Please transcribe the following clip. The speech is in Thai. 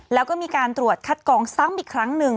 แล้วก็มีการตรวจคัดกองซ้ำอีกครั้งหนึ่ง